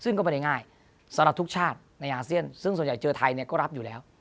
ซึ่งก็ไม่ได้ง่ายสำหรับทุกชาติในอาเซียนซึ่งส่วนใหญ่เจอไทยเนี่ยก็รับอยู่แล้ว